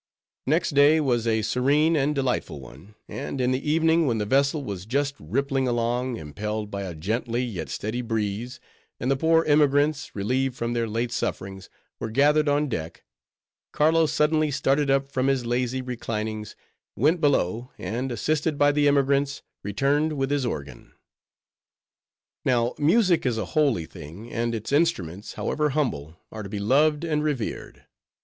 Next day was a serene and delightful one; and in the evening when the vessel was just rippling along impelled by a gentle yet steady breeze, and the poor emigrants, relieved from their late sufferings, were gathered on deck; Carlo suddenly started up from his lazy reclinings; went below, and, assisted by the emigrants, returned with his organ. Now, music is a holy thing, and its instruments, however humble, are to be loved and revered.